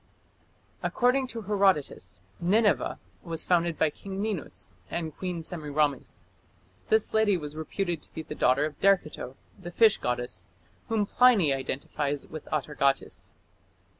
According to Herodotus, Nineveh was founded by King Ninus and Queen Semiramis. This lady was reputed to be the daughter of Derceto, the fish goddess, whom Pliny identified with Atargatis.